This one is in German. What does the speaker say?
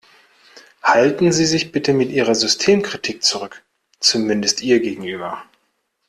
Halten Sie sich bitte mit Ihrer Systemkritik zurück, zumindest ihr gegenüber.